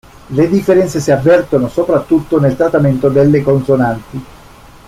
Le differenze si avvertono soprattutto nel trattamento delle consonanti.